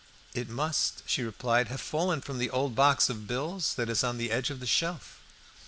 "It must," she replied, "have fallen from the old box of bills that is on the edge of the shelf."